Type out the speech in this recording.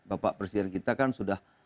bapak presiden kita kan sudah